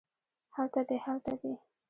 هلته دی هلته دي